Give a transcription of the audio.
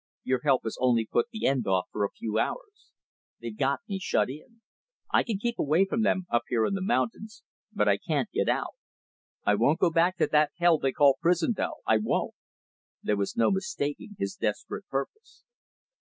Your help has only put the end off for a few hours. They've got me shut in. I can keep away from them, up here in the mountains, but I can't get out. I won't go back to that hell they call prison though I won't." There was no mistaking his desperate purpose.